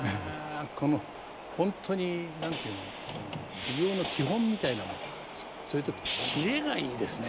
このほんとに何て言うのこの舞踊の基本みたいなものそれとキレがいいですね。